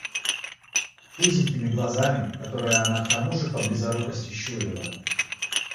с узенькими глазами, которые она к тому же по близорукости щурила,